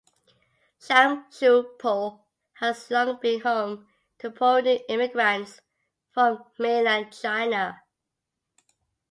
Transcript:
Sham Shui Po has long been home to poorer new immigrants from mainland China.